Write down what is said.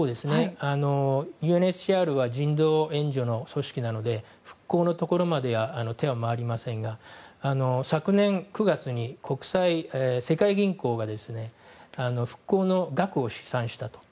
ＵＮＨＣＲは人道援助の組織なので復興のところまで手は回りませんが昨年９月に世界銀行が復興の額を試算したと。